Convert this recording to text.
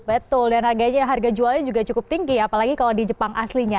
betul dan harga jualnya juga cukup tinggi apalagi kalau di jepang aslinya